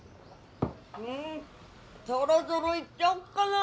うんそろそろいっちゃおうかな！